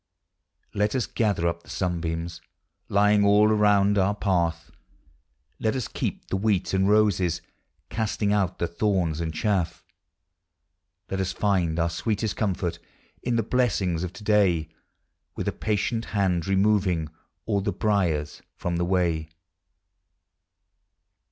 Let us gather up the sunbeams Lying all around our path ; 280 POEMS OF HOME Let us keep the wheat and roses, Casting out the thorns and chaff; Let us tiud our sweetest comfort In the blessings of to day, With a patient hand removing All the briers from the way.